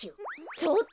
ちょっと！